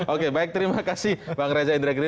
oke baik terima kasih bang reza indra giri